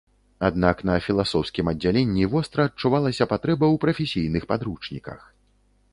Аднак на філасофскім аддзяленні востра адчувалася патрэба ў прафесійных падручніках.